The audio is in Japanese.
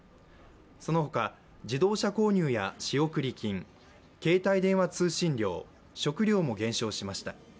そのほか、自動車購入や仕送り金、携帯電話通信料、食料も減少しました。